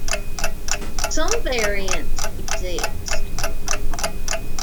Some variants exist.